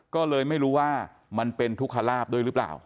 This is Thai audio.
ก็เลยไม่รู้ว่ามันเป็นทุกขลาบด้วยหรือเปล่า